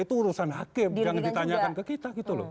itu urusan hakim jangan ditanyakan ke kita gitu loh